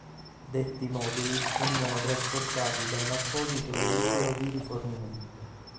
Detti moduli venivano trasportati da un apposito veicolo di rifornimento.